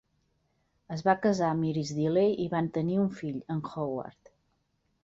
Es va casar amb Iris Dilley i van tenir un fill, en Howard.